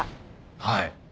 はい。